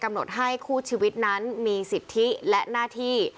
หดให้คู่ชีวิตนั้นมีสิทธิและหน้าที่